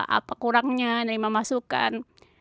apa kurangnya nerima masukan